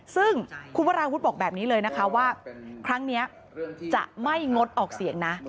ซึ่งคุณวราวุฒิบอกแบบนี้เลยนะคะว่าครั้งนี้จะไม่งดออกเสียงนะ